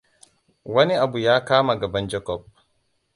Wani abu ya kama gaban jacob.